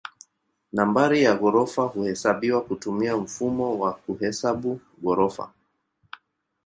Nambari ya ghorofa huhesabiwa kutumia mfumo wa kuhesabu ghorofa.